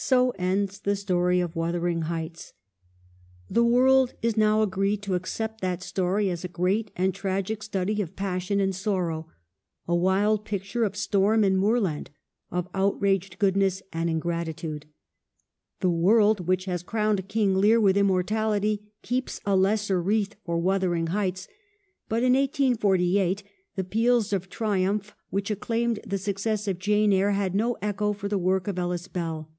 So ends the story of Wuthering Heights. The world is now agreed to accept that story as a great and tragic study of passion and sorrow, a wild picture of storm and moorland, of outraged goodness and ingratitude. The world which has crowned 'King Lear' with immortality, keeps a lesser wreath for ' Wuthering Heights.' But in 1848, the peals of triumph which acclaimed the success of 'Jane Eyre' had no echo for the work of Ellis Bell.